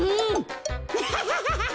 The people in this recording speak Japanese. アハハハ！